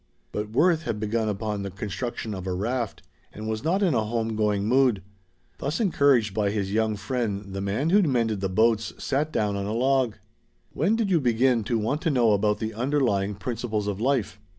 But Worth had begun upon the construction of a raft, and was not in a home going mood. Thus encouraged by his young friend the man who mended the boats sat down on a log. "When did you begin to want to know about the 'underlying principles of life'?"